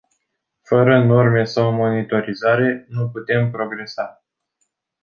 Fără norme sau monitorizare, nu putem progresa.